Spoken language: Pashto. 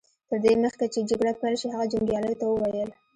تر دې مخکې چې جګړه پيل شي هغه جنګياليو ته وويل.